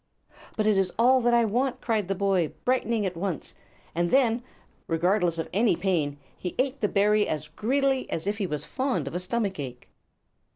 "But it is all that I want," cried the boy, brightening at once; and then, regardless of any pain, he ate the berry as greedily as if he was fond of a stomache ache.